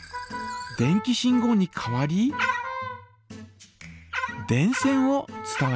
電気信号に変わり電線を伝わります。